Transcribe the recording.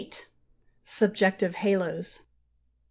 SUBJECTIVE HALOS.